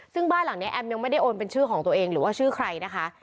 ซึ่งบ้านหลังนี้แอมยังไม่ได้โอนเป็นชื่อของตัวเองหรือว่าชื่อใครนะคะ